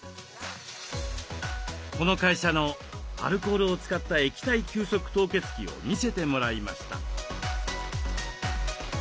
この会社のアルコールを使った液体急速凍結機を見せてもらいました。